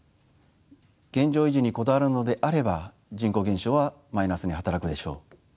現状維持にこだわるのであれば人口減少はマイナスに働くでしょう。